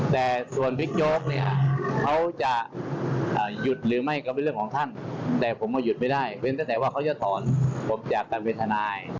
แต่ส่วนวิจโยคเนี่ยเขาจะหยุดหรือไม่ก็เป็นเรื่องของท่านแต่ผมมันหยุดไม่ได้เป็นแต่ว่าเขาจะสอนผมจากต่างวิทยาลัย